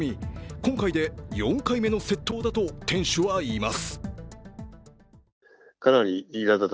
今回で４回目の窃盗だと店主はいいます。